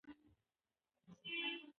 له کتابونو یې. قاضي وپوښت،